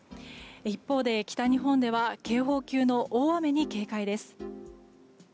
一方で、北日本では警報級の大雨に警戒です。